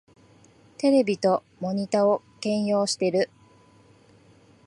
テレビとモニタを兼用してる